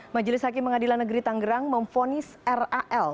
majelis hakim pengadilan negeri tanggerang memfonis ral